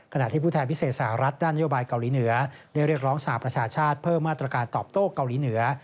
ที่ผู้แทนพิเศษสหรัฐด้านนโยบายเกาหลีเหนือได้เรียกร้องสหประชาชาติเพิ่มมาตรการตอบโต้เกาหลีเหนือ